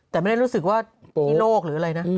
แต่ไม่ได้รู้สึกว่าที่โลกหรืออะไรนะ